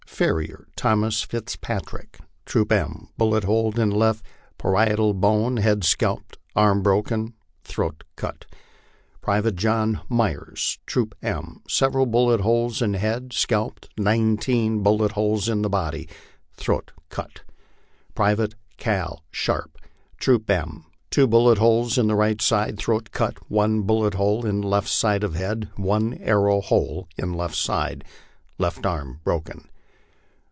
" Farrier Thomas Fitzpatrick, Troop M, bullet hole in left parietal bone, head scalped, arm broken, .... throat cut "Private John Myres, Troop M, several bullet holes in head, scalped, nineteen bullet holes in body, .... throat cut. " Private Cal. Sharpe, Troop M, two bullet holes in right side, throat cnt, one bullet hole in left side of head, one arrow hole in left side, left arm broken.